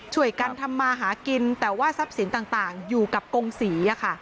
ช่วยกันทำมาหากินแต่ว่าทรัพย์สินต่างอยู่กับกงศรี